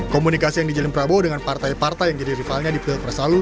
komunikasi yang dijalin prabowo dengan partai partai yang jadi rivalnya di pilpres lalu